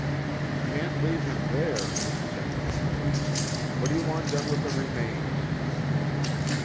"You can't leave him there," said Jim Bates. "What d'ya want done with the remains?"